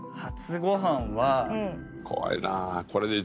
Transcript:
怖いなあ。